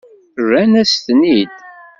Rran-as-ten-id.